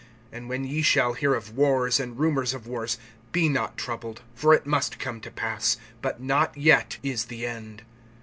(7)And when ye shall hear of wars and rumors of wars, be not troubled, for it must come to pass; but not yet is the end.